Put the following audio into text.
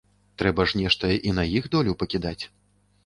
Трэба ж нешта і на іх долю пакідаць.